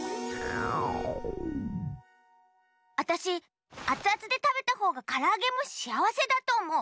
あたしあつあつでたべたほうがからあげもしあわせだとおもう。